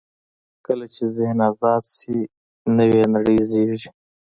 کله چې ذهن آزاد شي، نوې نړۍ زېږي.